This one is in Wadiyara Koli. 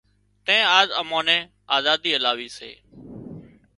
تين آز امان نين آزادي الاوي سي